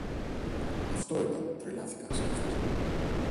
Αυτό ήταν, τρελάθηκα, σκέφτηκε